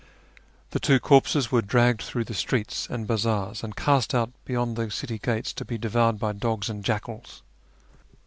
The two corpses were dragged through the streets and bazaars, and cast out beyond the city gates to be devoured by dogs and jackals.